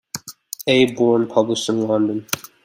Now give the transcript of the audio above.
A. Bourne published in London.